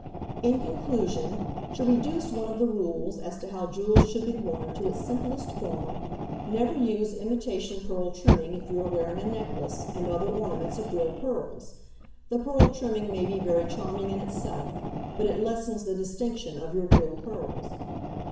In conclusion, to reduce one of the rules as to how jewels should be worn to its simplest form, never use imitation pearl trimming if you are wearing a necklace and other ornaments of real pearls. The pearl trimming may be very charming in itself, but it lessens the distinction of your real pearls.